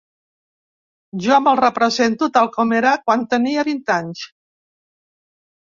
Jo me'l represento tal com era quan tenia vint anys.